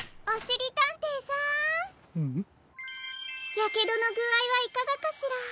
やけどのぐあいはいかがかしら？